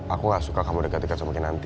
aku nggak suka kamu dekat dekat semakin nanti